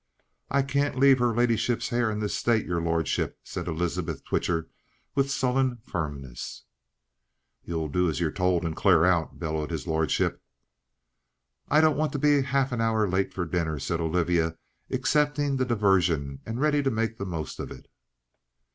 "I can't leave her ladyship's hair in this state, your lordship," said Elizabeth Twitcher with sullen firmness. "You do as you're told and clear out!" bellowed his lordship. "I don't want to be half an hour late for dinner," said Olivia, accepting the diversion and ready to make the most of it.